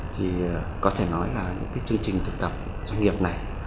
thì có thể nói là những cái chương trình thực tập doanh nghiệp này